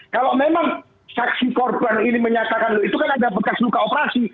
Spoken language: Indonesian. kalau memang saksi korban ini menyatakan loh itu kan ada bekas luka operasi